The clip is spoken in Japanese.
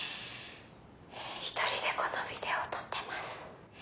一人でこのビデオを撮ってます。